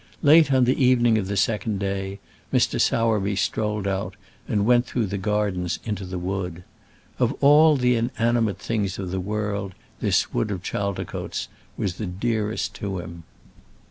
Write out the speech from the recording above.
Late in the evening of the second day Mr. Sowerby strolled out, and went through the gardens into the wood. Of all the inanimate things of the world this wood of Chaldicotes was the dearest to him.